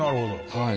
はい。